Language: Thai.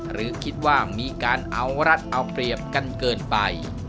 หรือคิดว่ามีการเอารัฐเอาเปรียบกันเกินไป